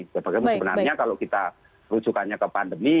sebagai sebenarnya kalau kita rujukannya ke pandemi